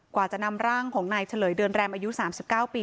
กว่าจะนำร่างของนายเฉลยเดือนแรมอายุ๓๙ปี